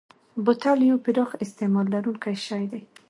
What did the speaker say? بوتل یو پراخ استعمال لرونکی شی دی.